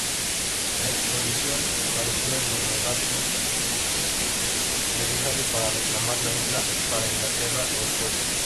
La expedición careció del mandato necesario para reclamar la isla para Inglaterra o Escocia.